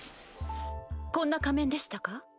こんな仮面でしたか？